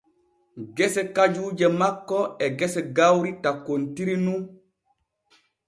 Gese kajuuje makko e gese gawri takkontiri nun.